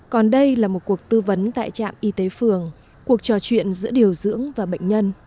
còn đây là một cuộc tư vấn tại trạm y tế phường cuộc trò chuyện giữa điều dưỡng và bệnh nhân